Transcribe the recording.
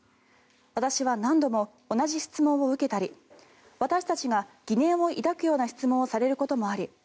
私たちは何度も同じ質問を受けたり私たちが疑念を抱くような質問をされることもあり